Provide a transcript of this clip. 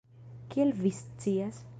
Kiel vi scias?